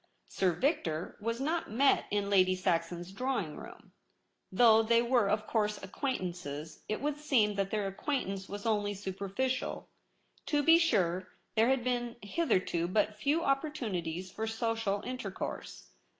Sir Victor was not met in Lady Saxon's drawing room. Though they were, of course, acquaintances, it would seem that their acquaintance was only superficial. To be sure, there had been hitherto but few opportunities for social intercourse.